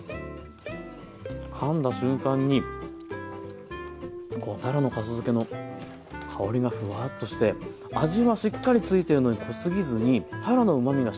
かんだ瞬間にこうたらのかす漬けの香りがふわっとして味はしっかりついてるのに濃すぎずにたらのうまみがしっかりとついてますね。